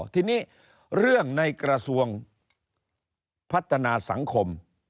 ทีนี้เรื่องในกระทรวงพัฒนาสังคม